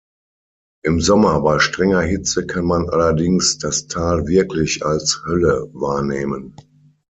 Im Sommer bei strenger Hitze kann man allerdings das Tal wirklich als "Hölle" wahrnehmen.